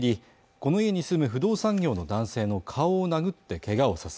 この家に住む不動産業の男性の顔を殴ってけがをさせ